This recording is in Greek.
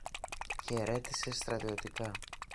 χαιρέτησε στρατιωτικά.